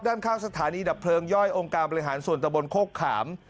ด้านข้างสถานีดับเพลิงย่อยองค์การบริหารส่วนตะบนโคกขาม